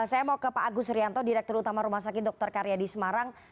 saya mau ke pak agus rianto direktur utama rumah sakit dr karyadi semarang